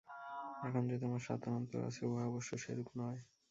এখন যে তোমার স্বাতন্ত্র্য আছে, উহা অবশ্য সেরূপ নয়।